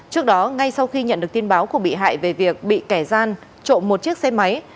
trước đó ngay sau khi nhận được tin báo của bị hại về việc bị kẻ gian trộm một chiếc xe máy